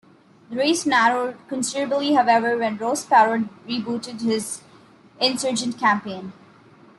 The race narrowed considerably, however, when Ross Perot rebooted his insurgent campaign.